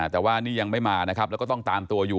แต่ว่านี่ยังไม่มานะครับแล้วก็ต้องตามตัวอยู่